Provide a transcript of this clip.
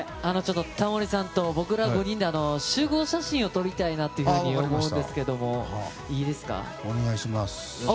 タモリさんと僕ら５人で集合写真を撮りたいなと思うんですけどもはい、お願いします。